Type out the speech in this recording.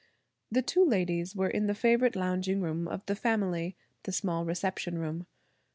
The two ladies were in the favorite lounging room of the family–the small reception room.